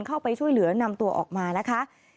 เข้าไปช่วยเหลือนำตัวออกมานะคะ